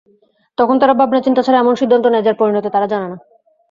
তখন তারা ভাবনাচিন্তা ছাড়া এমন সিদ্ধান্ত নেয়, যার পরিণতি তারা জানে না।